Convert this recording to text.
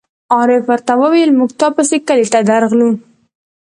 عارف ور ته وویل: مونږ تا پسې کلي ته درغلو.